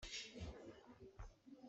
Aa phenghai kho set lo.